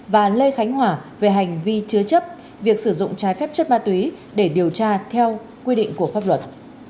và lê khánh hòa về hành vi chứa chấp việc sử dụng trái phép chất ma túy để điều tra theo quy định của pháp luật